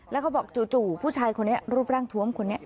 แล้วเขาบอกจู่ผู้ชายคนนี้รูปร่างทวมคนนี้